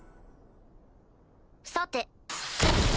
さて。